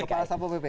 kepala satpol pp